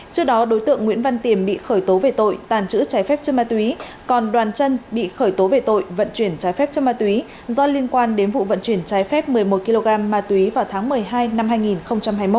trước đó đối tượng nguyễn văn tiềm bị khởi tố về tội tàng trữ trái phép chân ma túy còn đoàn chân bị khởi tố về tội vận chuyển trái phép cho ma túy do liên quan đến vụ vận chuyển trái phép một mươi một kg ma túy vào tháng một mươi hai năm hai nghìn hai mươi một